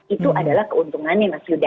itu adalah keuntungannya mas yuda